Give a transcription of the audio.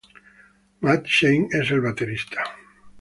Matt Shane es el baterista.